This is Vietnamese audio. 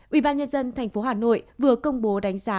ubnd tp hà nội vừa công bố đánh giá